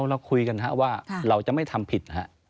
เราคุยกันว่าเราจะไม่ทำผิดนะฮะ